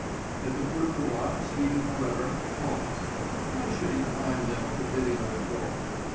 At the foot of the rocks he, however, paused. Why should he climb them at the bidding of a dog?